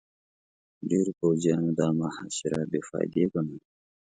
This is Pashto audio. ډېرو پوځيانو دا محاصره بې فايدې ګڼله.